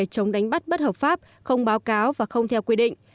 các hành vi vi phạm quy định bắt bất hợp pháp không báo cáo và không theo quy định